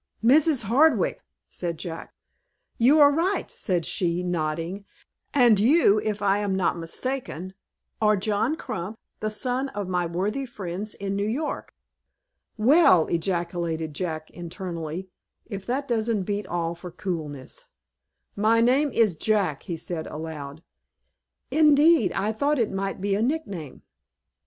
"Mrs. Hardwick!" said Jack. "You are right," said she, nodding, "and you, if I am not mistaken, are John Crump, the son of my worthy friends in New York." "Well," ejaculated Jack, internally, "if that doesn't beat all for coolness." "My name is Jack," he said, aloud. "Indeed! I thought it might be a nickname."